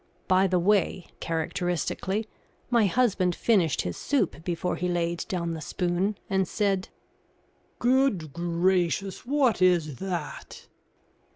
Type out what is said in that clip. By the way, characteristically, my husband finished his soup before he laid down the spoon and said "Good gracious! What is that?"